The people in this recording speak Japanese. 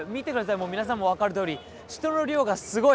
もう皆さんも分かるとおり人の量がすごい！